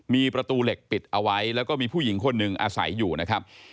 มีประตูเหล็กปิดเอาไว้แล้วก็มีผู้หญิงคนหนึ่งอาศัยอยู่นะครับ